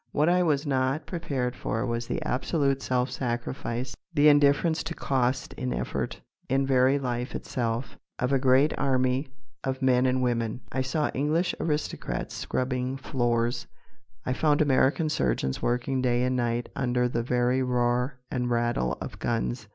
What I was not prepared for was the absolute self sacrifice, the indifference to cost in effort, in very life itself, of a great army of men and women. I saw English aristocrats scrubbing floors; I found American surgeons working day and night under the very roar and rattle of guns.